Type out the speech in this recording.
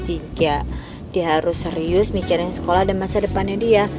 dia harus serius mikirin sekolah dan masa depannya dia